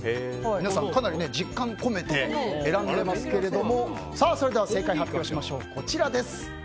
皆さんかなり実感込めて選んでますけれどもそれでは正解、発表しましょう。